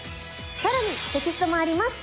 更にテキストもあります！